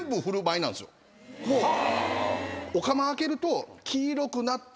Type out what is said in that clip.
お釜開けると。